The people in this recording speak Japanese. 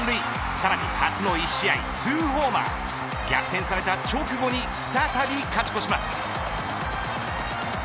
さらに初の１試合２ホーマー逆転された直後に再び勝ち越します。